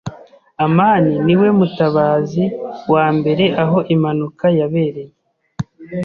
amani niwe mutabazi wa mbere aho impanuka yabereye.